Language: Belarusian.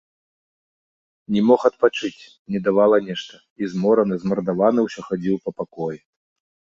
Не мог адпачыць, не давала нешта, і змораны, змардаваны ўсё хадзіў па пакоі.